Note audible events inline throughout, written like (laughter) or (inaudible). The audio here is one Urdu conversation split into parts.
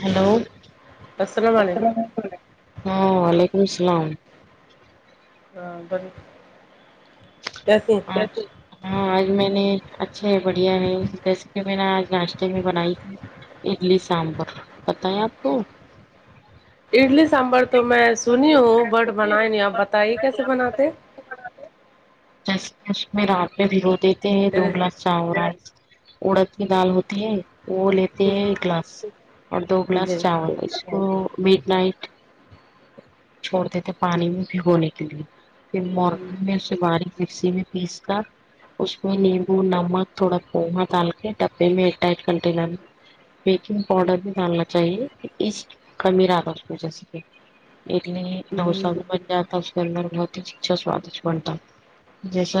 ہیلو السلام علیکم ہاں وعلیکم السلام ہاں بڑ کیسے (unintelligible) ہاں آج میں نے اچھے بڑھیا ریسپی میں نے آج ناشتے میں بنائی تھی اڈلی سانبر پتا ہے آپ کو اڈلی سانبر تو میں سنی ہوں بٹ بنائے نہیں آپ بتائیے کیسے بناتے جس مش میں رات میں بھگو دیتے ہیں پھر دوگلاس چاول اڑد کی دال ہوتی ہے وہ لیتے ہیں ایک گلاس اور دو گلاس جی چاول اس مڈ نائٹ چھوڑتے تھے پانی میں بھیگونے کے لیے پھر مارننگ میں اسے بارک مکسی میں پیس کر اس میں نیمبو نمک تھوڑا کوما ڈال کے ڈبے میں ایرٹئڈ کنٹینر میں بیکنگ پاؤڈر بھی ڈالنا چاہیے اس کمیر (unintelligible) اس جیسے کہ اڈلی ڈوسا بن جاتا اس اندر اچھا سوادش بنتا جیسا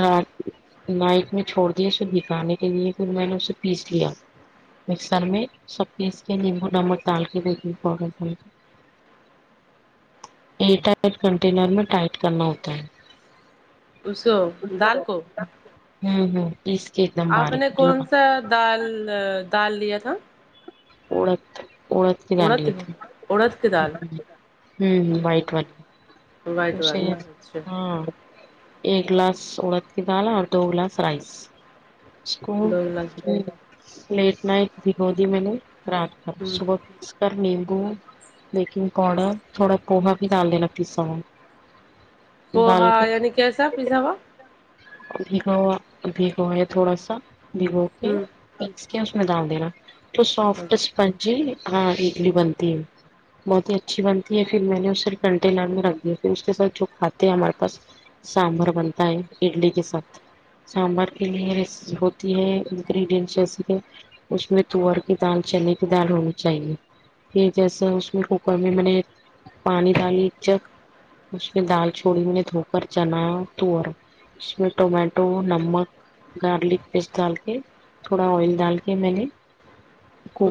نائٹ میں چھوڑ دی اسے بھکانے کے لیے پھر میں نے اسے پیس لیا مکسر میں سب پیس کے نیمبو نمک ڈال کے بےکینگ پاو ڈر ایر اٹئٹ کنٹینر میں ٹائٹ کرنا ہوتا ہے اسو دال کو ہمم ہمم پیس کے ایک دم آپ باریک نے کون سا دال دال لیا تھا اڑت اڑد کی دال اڑد لے تھے اڑد کی دال ہ ہ وائٹ والی وائٹ اسے والی اچھا ہاں ایک گلاس اڑد کی دال اور دو گلاس رائس اس کو دو گلاس لیٹ نائٹ بگو دی میں نے رات صبح پر لمبو بیکنگ پاؤڈر تھوڑا پوہا بھی ڈال دینا پیسا پوہا یعی کیسا پیسا وا بھیگا ہوا بھیگا ہوا ہے تھوڑا سا بھگو کے ہمم اس میں ڈال دینا تو سافٹ اچھا اسپنج ہاں اڈلی بنتی ہے بہت ہی اچھی بنتی ہے پھر میں نے اس سے کنٹے مہیں رکھ دیے پھر اس کے ساتھ جو کھاتے ہیں ہمارے پاس سانبھر بنتا ہے اڈلی کے ساتھ سانبر کے لیے ہوتی ہے انگریڈینٹ جیسے کہ اس میں تور کی دال چنے کی دال ہونی چاہیے پھر جیسا اس میں کوکر میں میں نے پانی ڈالی ایک جک اس میں دال چوڑی میں دھو کر چنا توور اس میں ٹمیٹو نمک گارلک پیسٹ ڈال کے تھوڑا آئل ڈال کے میں نے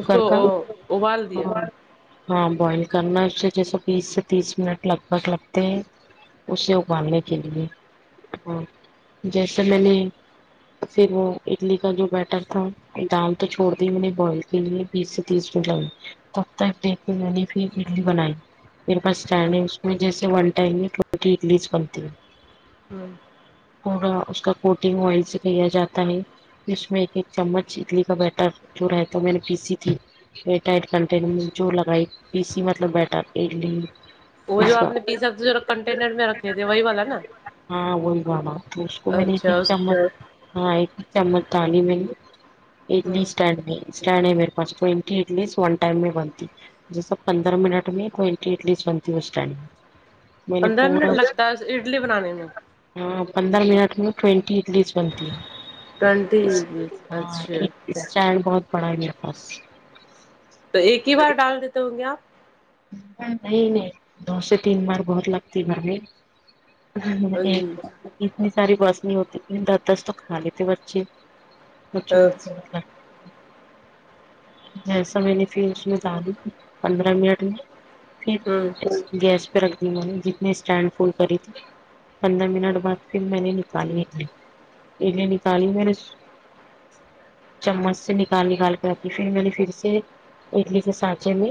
اس کو کا ابال دیا ہاں بوائل کرنا اس سے جیسا بیس سے تیس منٹ لگ بھگ لگ تا ہے اسے اگالنے کے لیے جیسے میں نے پھر وہ اڈلی کا جو بیٹر تھا دال تو چھوڑ دی میں نے بوائل بیس سے تیس منٹ لگے تب تک ایک نے پھر اڈلی بنائی میرے پاس ٹینڈنگس میں جیسے ون ٹائم میں ٹوینٹی اڈلیز بنتی ہے پورا اس کا کوٹنگ وائل سے کیا جاتا ہے اس میں ایک ایک چمچ اڈلی کا بیٹر جو رہتا میں نے پیسی تھی ایر ٹائٹ کنٹینر میں جو لگائی پیسی مطلب بیٹر اڈلی وہ اس جو کا آپ نے پیسا کنٹینر میں رکھے تھے وہی والا نا ہاں وہاں اس کو میں نے ایک اچھا ایک اس چمچ ہاں ایک ایک چمچ دالی میں نے اڈلی ہاں اسٹینڈ ہے اسٹینڈ ہے میرے پاس ٹوئنٹی اڈلیس ون ٹائم میں بنتی جیساپندرہ منٹ میں ٹوئنٹی اڈلیس بنتی ہے اسٹینڈ میں میں نے پندرہ پورا منٹ لگتا ہے اس اڈلی بنانے میں ہاں پندر منٹ میں ٹوینٹی اڈلی بنتی ہے تونتے عدلیس ہاں اچھا اسٹینڈ بہت بڑا ہے میرے پاس تو ایک ہی بار ڈال دیتے ہوں گے آپ نہیں نہیں دو سے تین بار بہت لگتی گھر میں ایک اتنی ساری بس نہیں ہوتی دس دس تو کھا لیتے بچے (unintelligible) اچھا جیسا میں نے پھر اس میں دالی پندرہ منٹ پھر ہوں گیس پہ رکھ دی میں نے جتنے اسٹینڈ فل کری تھی پندرہ منٹ بعد پھر میں نے نکالی اے نکالی میں نے چمچ سے نکال نکال کر آتی پھر میں نے پھر سے اڈلی کے سانچے میں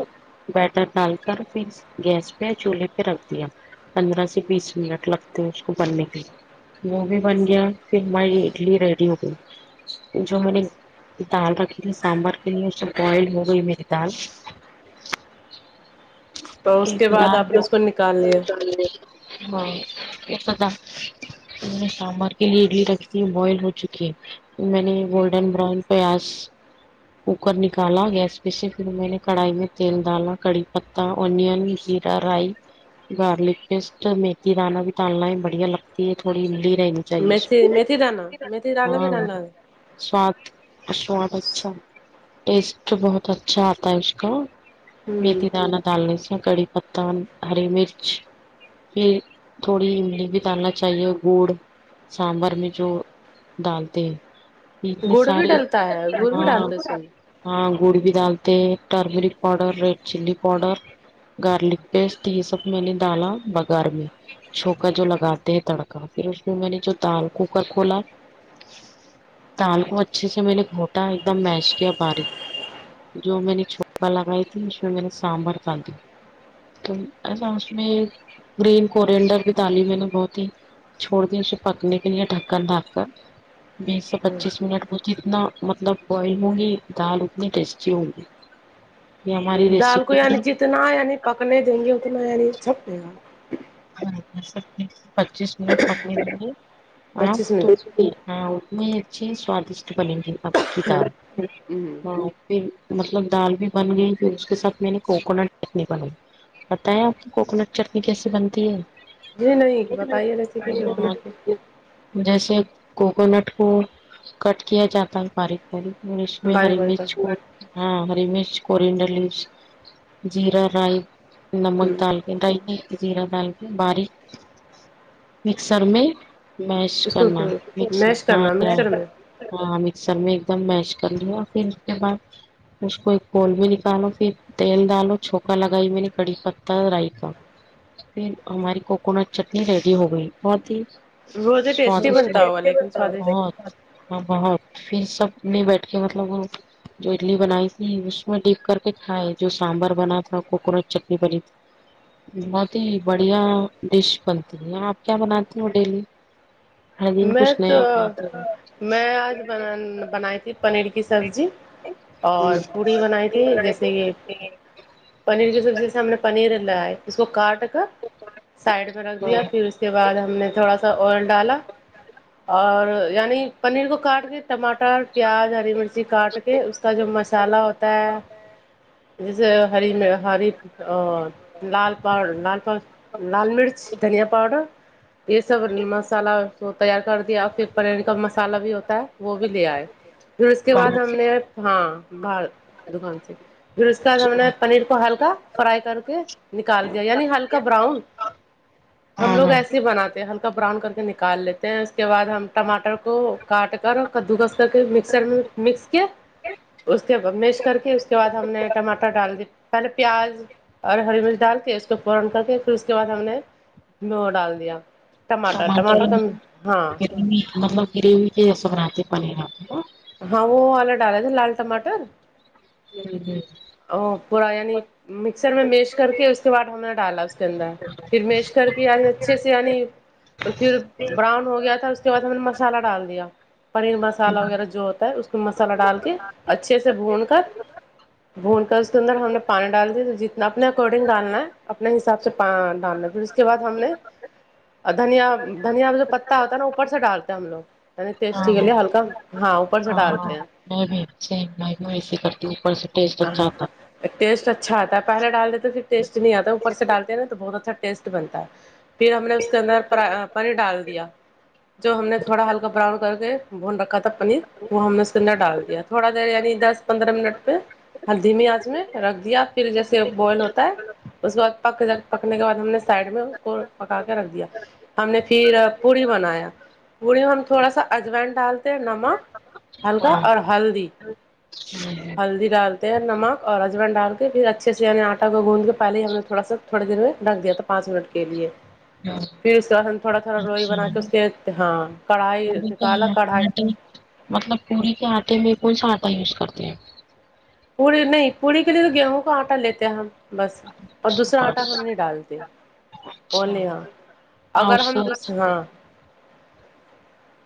بیٹر ڈال کر پھر گیس پہ چولہے پہ رکھ دیا پندرہ سے بیس منٹ لگتے ہیں اس کو بننے کے لیے وہ بھی بن گیا پھر ہماری اڈلی ریڈی ہو گئی جو میں نے دال رکھی تھی سانبر کے لیے اس سے بوائل ہو گئی میری دال تو (unintelligible) اس ایک کے بعد آپ دن نے اس کو نکال لیا (unintelligible) ہاں یہ تو تھا نے سامر کے لیے اڈلی رکھتی ہے بوائل ہو چکی ہے میں نے گولڈن براؤن پیاز کوکر نکالا گیس پہ سے پھر میں نے کڑھائی میں تیل ڈالا کڑی پتتا آنین جیرا رائی گارلک پسٹ میتھی دانا بھی ڈا لنا بڑیا لگتا ہے تھوڑی لی رہی ن چاہے میتھی میتھی دانا میتھی دانا بھی ہاں ڈالنا ہے سواد سواد اچھا ٹیسٹ بہت اچھا آتا ہے اس کا ہوں میتھی دانا ڈالنے سے کڑی پتا ہری مرچ پھر تھوڑی املی بھی ڈالنا چاہیے گڑ سانبر میں جو ڈالتے اتنے گڑ بھی سارے ڈلتا ہے گڑ بھی ہاں ڈالتے سن ہاں گوڑ بھی ڈالتے ہیں turmeric powder red chilli powder garlic paste یہ سب میں نے ڈالا بگار میں چھوکا جو لگاتے ہیں تڑکا پھر اس میں میں نے جو دال کوکر کھولا تال کو اچھے سے میں نے گھونٹا ایک دم میش کیا باریک جو میں نے چھوکا لگائی تھی اس میں میں نے سانبر دا لدی تو ایسا اس میں گرین کورینڈر بھی دالی میں نے بہت ہی چھوڑ دیا اسے پکنے کے لیے ڈھکن ڈھاک کر بیس سے پچیس منٹ میں جتنا مطلب بوائل ہوں گی دال اتنی ٹیسٹی ہو نگی دال کو یعنی جتنا یعنی پکنے دیں گے اتنا یعنی چھپے گا پچیس منٹ پکنے دینگے پچیس منٹ ہاں اتنی ہی اچھی سوادشٹ بنیں گی آپ کی دال پھر مطلب دال بھی بن گئی پھر اس کے ساتھ میں نے کوکونٹ چٹنی بنائی بتائیں آپ کو کوکونٹ چٹنی کیسے بنتی ہے جی نہیں بتائیے ریسیپی کے منٹ کی (unintelligible) جیسے کوکونٹ کو کٹ کیا جاتا ہے باریک ہری مش میں باریک ہری باریک کر مرچ ہاں ہری مرچ کورینڈر لیوس جیرا رائی نمک ہوں دال رائی ڈال زیرا ڈال کے باریک مکسر میں میش اس کو کرنا اچھا میش ہاں کرنا مش مکسر میں ہاں مکسر میں ایک دم میش کر لیا پھر اس کے بعد اس کو ایک پول بھی نکالو پھر تیل ڈالو چھوکا لگائی میں نے کڑی پتا رائی کا پھر ہماری کوکونٹ چٹنی ریڈی ہو گئی بہت ہی بہت ہی ٹیسٹی بنتا ہوگا لیکن سوادشٹ (unintelligible) بہت پھر سب میں بیٹھ کے مطلب جو اڈلی بنائی تھی اس میں ڈپ کر کے کھائے جو سانبر بنا تھا کوکونٹ چٹنی بنی تھی بہت ا بڑھیا ڈش بنتی ہے آپ کیا بناتی ہو ڈیلی ہر دن میں کچھ تو نیا کام چلرا میں آج بنا بنائی تھی پنیر کی سبزی اور پوڑی بنائی تھی جیسے یہ پنیر کی سبزی جیسے ہم نے پنیر لائے اس کو کاٹ کر سائڈ پہ رکھ دیا پھر اس کے بعد ہم نے تھوڑا سا آ ئل ڈالا اور یعنی پنیر کو کاٹ کے ٹماٹر پیاز ہری مرچی کاٹ کے اس اس کا جو مصالحہ ہوتا ہے جیسے ہری میں ہری لال پاؤ لال پاؤ لال مرچ دھنیا پاؤڈر یہ سب مصالہ تو تیار کر دیا پھر پنیر کا مصا لہ بھی ہوتا ہے وہ بھی لے آئے پھر اس کے بعد باہر ہم سے نے ہاں باہر دکان سے پھر اس کے بعد ہم نے اچھا پنیر کو ہلکا فرائی کر کے نکال دیا یعنی ہلکا براؤن ہم ہاں لوگ ہاں ایسے ہی بناتے ہلکا براؤن کر کے نہی نکال لیتے ہیں اس کے بعد ہم ٹماٹر کو کاٹ کر کدو کس کر کے مکسر میں مکس کے اس کے میش کر کے اس کے بعد ہم نے ٹماٹر ڈال دیے پہلے پیاز اور ہری مرچ ڈال کے اس کو فورا کر کے پھر اس کے بعد ہم نے مو ڈال دیا ٹماٹر ٹماٹر کم ہاں مطلب گریوی تھ رہاتتے پانییر آپ ہاں وہ والا ڈالے تھے لال ٹماٹر ہمم ہمم ا پورا یعنی مکسر میں میش کر کے اس کے بعد ہم نے ڈالا اس چندا پھرمیش کر کیی رہ ہے اچھے سے یعنی پھر براؤن ہو گیا تھا اس کے بعد ہم نے مسالہ ڈال دیا پنیر مسالہ وغیرہ جو ہوتا ہے اس کو مسالہ ڈال کے اچھے سے بھون کر بھون کر اس کے اندر ہم نے پانی ڈال دی جتنا اپنے اکارڈنگ ڈالنا ہے اپنے حساب سے ڈالنا ہےپا پھر اس کے بعد ہم نے اور دھنیا دھنیا میں جو پتا ہوتا ہے نا اوپر سے ڈالتے ہیں ہم لوگ نی ٹیسٹ ہاں ہاں کے لے ہلکا ہاں اوپر سے ہاں ڈالتے ہیں میں بھی وسے کرتی ہوں اوپر سے ٹیسٹ ہ اچھا آتا (unintelligible) ٹیسٹ اچھا آتا ہے پہلے ڈال دیتے پھر ٹیسٹ نہیں آتا اوپر سے ڈالتے ہیں نا تو بہت اچھا ٹیسٹ بنتا ہے پھر ہم نے اس کے اندر پانی ڈال دیا جو ہم نے تھوڑا ہلکا براؤن کر کے بھون رکھا تھا پنیر وہ ہم نے اس کے اندر ڈال دیا تھوڑا دیر یعنی دس پندرہ منٹ پہ ہلدی م آچ میں رکھ دیا پھر جیسے بوائل ہوتا ہے اس کے بعد پک پکنے کے بعد ہم نے سائڈ میں اس کو پکا کے رکھ دیا ہم نے پھر پوڑی بنایا پوڑی میں ہم ہے تھوڑا سا اجوائن ڈالتے نمک ہلکا ہاں اور ہلدی ہلدی ڈالتے نمک اور اجوأن ڈال کے پھر اچھے سے ینی آٹا کو گوند کے پہلے ہم نے تھوڑ سا تھوڑی دیر میں رکھ دیا تھا پانچ منٹ کے لیے پھر اس کے بعد تھوڑا تھوڑا لوئی بنا اچھا کے اس کے ہاں کڑھائی پوری کا نکالا کڑھائی آٹے مطلب پوری کے آٹے میں کون سا آٹا یوز کرتے ہیں پوری نہیں پوری کے لیے تو گیہوں کا آٹا لیتے ہیں ہم بس اور دوسرا آٹا ہم نہیں ڈالتے اچھا بلیے ہاں ہاں اگر اس ہم دوس سے ہاں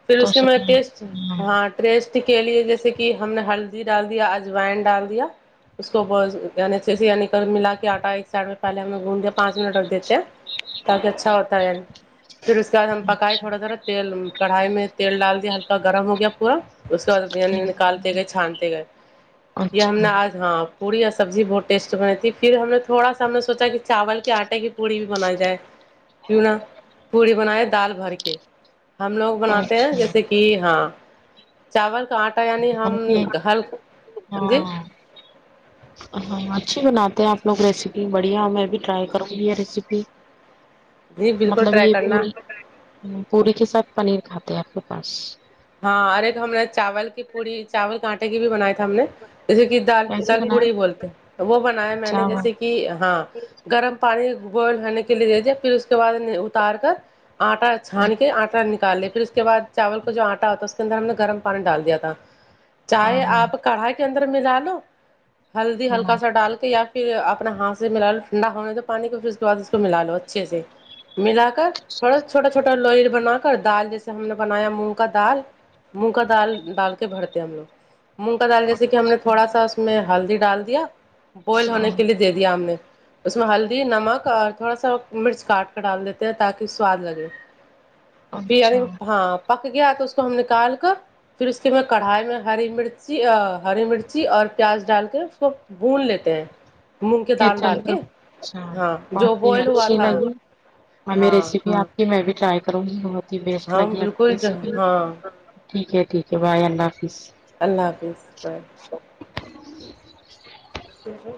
پھر اس کے میں ٹیسٹ تو ہاں ٹیسٹ کے لیے جیسے کہ ہم نے ہلدی ڈال دیا اجوائن ڈال دیا اس کو عنی اچھے سے عنی ملا کے آٹا ایک سائڈ میں پہے ہم نے گھڈ پانچ منٹ رکھ دیتے ہیں تاکہ اچھا ہوتا ہے پھر اس کے بعد ہم پکائے تھوڑا سذرا تیل کڑھائی میں تیل ڈال دیا ہلکا گرم ہو گیا پورا اس کے بعد بانی نکالتے گئے چھانتے گئے یہ ہم اچھا نے آج ہاں پوری اور سبزی بہت ٹیسٹی بنی تھی پھر ہم نے تھوڑا سا ہم نے سوچا کہ چاول کے آٹے کی پوڑی بھی بنائی جائے کیوں نہا پوڑی بنائے دال بھر کے ہم لوگ بناتے ہیں اچھا جیسے کہ ہاں چاول کا آٹا یعنی ہم اوکے گر ہاں ہاں اچھی بناتے ہیں آپ لوگ ریسیپی بڑھیا میں بھی ٹرائی کروں گی یہ ریسیپی جی بالکل مطلب ٹرائی یہ کرنا پوری پوری کے ساتھ پنیر کھاتے ہیں آپ کے پاس ہاں ار ایک ہم نے چاول کی پوڑی چاول کا آٹے کی بھی بنائی ہم نے جیسے کہ دال کیسے دال بنائیں پوڑی بولتے وہ بنایا میں نے چاول جیسے کہ کہ ہاں گرم پانی بوئل ہونے کے لیے دے دیا پھر اس کے بعد اتار کر آٹا ہاں چھان کے آٹا نکال لے پھر اس کے بع چاول کو جو آٹا تو اس کے اندر ہم نے گرم پانی ڈال دیا تھا ہاں چاہے آپ کڑھائی کے اندر ملا لو ہلدی ہاں ہلکا سا ڈال کے یار پھر اپنا ہاتھ سے ملا لو ٹھنڈا ہونے تو پانی کو پھر اس کے بعد اس کو ملا لو اچھے سے ملا کر تھوڑا چھوٹا چھوٹا لوئر بنا کر دال جیسے ہم نے بنایا مونگ کا دال مونگ کا دال ڈال کے بھر دے مونگ کا دال جیسے کہ ہم نے تھوڑا سا اس میں ہلدی ڈال دیا بوائل ہونے ہاں کے لیے دے دیا ہم نے اس میں ہلدی نمک اور تھوڑا سا مرچ کاٹ کر ڈال دیتے ہیں تاکہ سواد لگے پ اریو اچھا ہاں پک گیا تو اس کو ہم نکال کر پھر اس کے میں کڑھائی میں ہری مرچی ہری مرچی اور پیاز ڈال کے اس کو بھون لیتے ہیں مونگ کی کیا دال ڈال چلیے کے اچھا ہاں جو بوائل ہوا تھا ہ ہاں ریسیپی آپ کی میں بھی ٹرائی کروں گی بہت ہی بیسٹ ہاں لگی آپکی بالکل ریسیپی ہاں ٹھیک ہے ٹھیک ہے بائے اللہ حافظ اللہ حافظ بائی ج ہے (unintelligible)